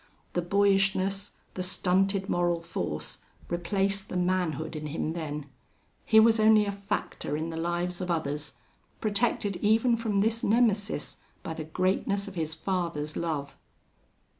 The boyishness, the stunted moral force, replaced the manhood in him then. He was only a factor in the lives of others, protected even from this Nemesis by the greatness of his father's love.